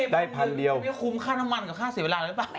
ได้พันเดียวคุ้มค่าน้ำมันกับค่าเสียเวลาหรือเปล่า